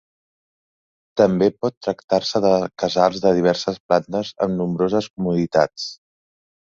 També pot tractar-se de casals de diverses plantes amb nombroses comoditats.